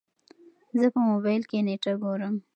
زه په موبايل کې نېټه ګورم.